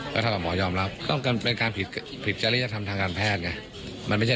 ก็ถ้าหมอยอมรับต้องกันเป็นการผิดผิดจริยธรรมทางการแพทย์ไงมันไม่ใช่